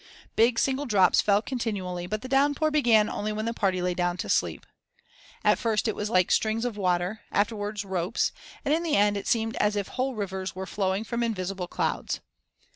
Big single drops fell continually but the downpour began only when the party lay down to sleep. At first it was like strings of water, afterwards ropes, and in the end it seemed as if whole rivers were flowing from invisible clouds.